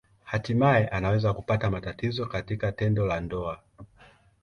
Hatimaye anaweza kupata matatizo katika tendo la ndoa.